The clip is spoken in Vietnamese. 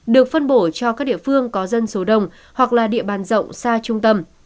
được phân bổ cho các địa phương có dân số đông hoặc là địa bàn rộng xa trung tâm